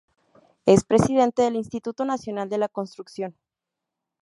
Es Presidente del Instituto Nacional de la Construcción.